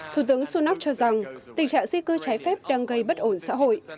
thủ tướng sunak cho rằng tình trạng di cư trái phép đang gây bất ổn xã hội